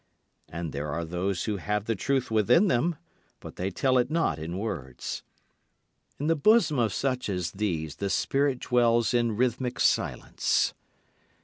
And there are those who have the truth within them, but they tell it not in words. In the bosom of such as these the spirit dwells in rhythmic silence.